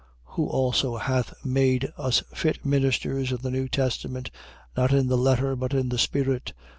3:6. Who also hath made us fit ministers of the new testament, not in the letter but in the spirit.